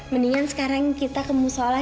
mendingan sekarang kita kemusola